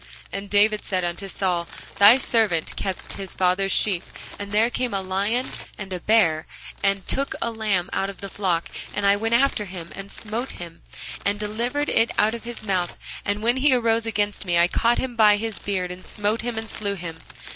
And David said unto Saul, Thy servant kept his father's sheep, and there came a lion, and a bear, and took a lamb out of the flock: And I went out after him, and smote him, and delivered it out of his mouth: and when he arose against me, I caught him by his beard, and smote him, and slew him.